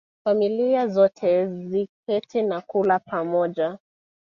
Familia zote ziketi na kula pamoja